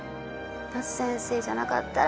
夏先生じゃなかったら、